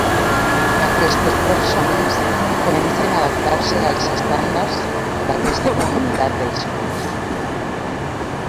Aquestes persones comencen a adaptar-se als estàndards d'aquesta comunitat de discurs.